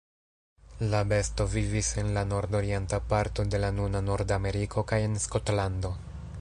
La besto vivis en la nordorienta parto de la nuna Nord-Ameriko kaj en Skotlando.